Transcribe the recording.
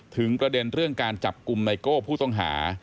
ประเด็นเรื่องการจับกลุ่มไนโก้ผู้ต้องหา